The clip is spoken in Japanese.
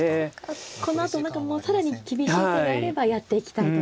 このあと何かもう更に厳しい手があればやっていきたいという。